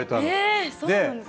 えそうなんですか。